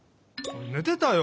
ねてたよ！